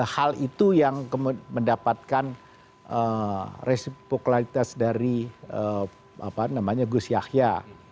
hal itu yang mendapatkan resipoklaritas dari gus yahya